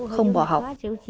không bỏ học